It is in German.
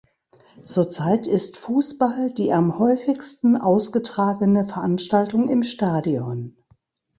Zurzeit ist Fußball die am häufigsten ausgetragene Veranstaltung im Stadion.